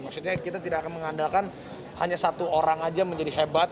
maksudnya kita tidak akan mengandalkan hanya satu orang saja menjadi hebat